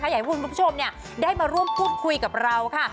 อยากให้คุณผู้ชมได้มาร่วมพูดคุยกับเราค่ะ